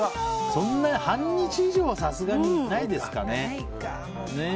半日以上はさすがにないですかね。